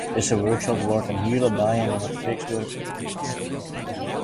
Dizze workshop duorret in hiele dei en der moat fiks wurke wurde.